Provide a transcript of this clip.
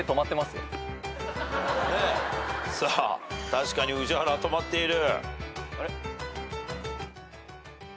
確かに宇治原止まっている。